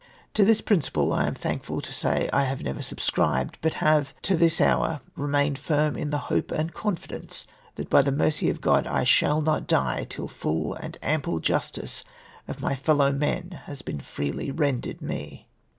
To this principle, I am thankful to say, I have never subscribed, but have to this hour re mained firm m the hope and confidence that by the mercy of C^od I shall not die till full and ample justice of my fellow men has been freely rendered me.